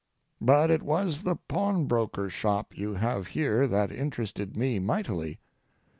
But it was the pawnbroker's shop you have here that interested me mightily.